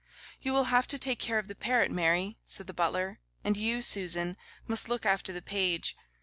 'You will have to take care of the parrot, Mary,' said the butler; 'and you, Susan, must look after the page.